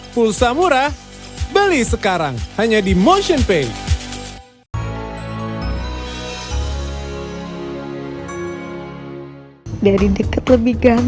pulsa murah beli sekarang hanya di motionpay